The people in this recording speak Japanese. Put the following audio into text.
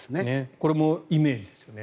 これもイメージですね。